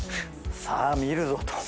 さあ見るぞと。